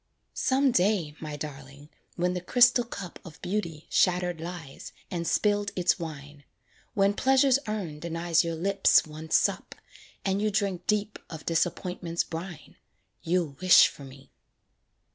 Some day, my darling, when the crystal cup Of Beauty shattered lies, and spilled its wine; When Pleasure's urn denies your lips one sup, And you drink deep of Disappointment's brine, You'll wish for me.